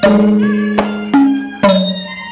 สวัสดีครับทุกคน